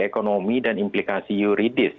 ekonomi dan implikasi yuridis